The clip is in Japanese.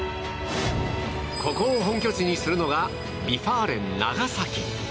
ここを本拠地にするのがＶ・ファーレン長崎。